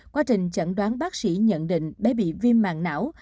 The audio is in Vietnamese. quá trình chẩn đoán bác sĩ nhận định bé bị viêm mạng não